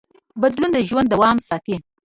بدلون د ژوند دوام ساتي.